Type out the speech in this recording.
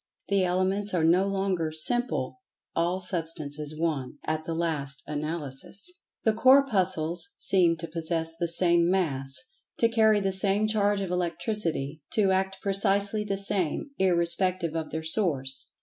The Elements are no longer "Simple." All Substance is One, at the last analysis! The Corpuscles seem to possess the same Mass—to carry the same charge of Electricity—to act precisely the same—irrespective of their source.